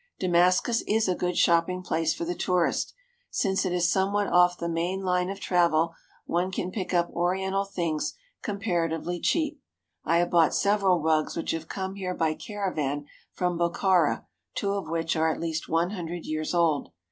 Damas cus is a good shopping place for the tourist. Since it is somewhat off the main line of travel, one can pick up oriental things comparatively cheap. I have bought several rugs which have come here by caravan from Bokhara, two of which are at least one hundred years old.